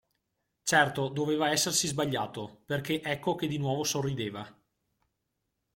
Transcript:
Certo, doveva essersi sbagliato, perché ecco che di nuovo sorrideva.